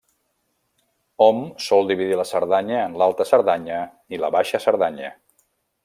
Hom sol dividir la Cerdanya en l'Alta Cerdanya i la Baixa Cerdanya.